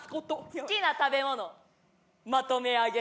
「好きな食べ物まとめ上げ」。